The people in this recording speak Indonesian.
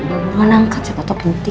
udah mau nangkat cepet cepet putih